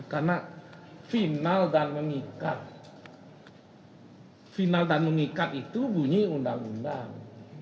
karena final dan mengikat final dan mengikat itu bunyi undang undang